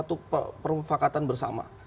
itu perumfakatan bersama